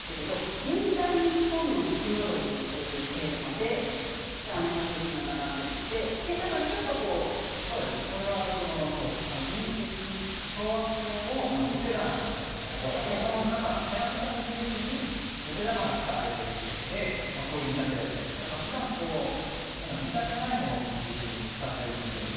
「現代日本のテクノロジー」というテーマで作品が並んでいて小惑星をお手玉に見立てたりはやぶさの技術にお手玉が使われているというのでこういう見立てだったりふだん見立てないものをモチーフに使ったりもしています。